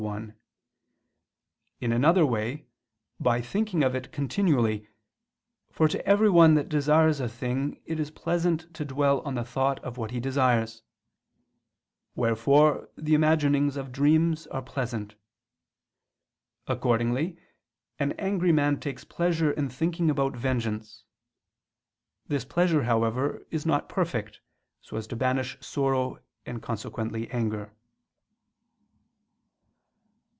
1); in another way, by thinking of it continually, for to everyone that desires a thing it is pleasant to dwell on the thought of what he desires; wherefore the imaginings of dreams are pleasant. Accordingly an angry man takes pleasure in thinking much about vengeance. This pleasure, however, is not perfect, so as to banish sorrow and consequently anger.